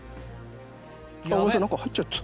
ごめんなさい何か入っちゃった。